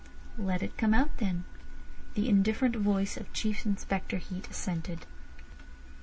"Let it come out, then," the indifferent voice of Chief Inspector Heat assented.